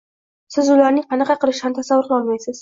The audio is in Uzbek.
Siz ularning qanaqa qilishlarini tasavvur qilolmaysiz.